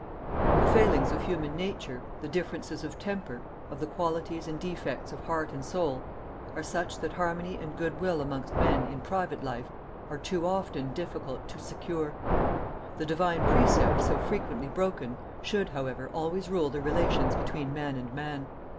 The failings of human nature, the differences of temper, of the qualities and defects of heart and soul, are such that harmony and good will amongst men in private life are too often difficult to secure. The Divine precept, so frequently broken, should, however, always rule the relations between man and man.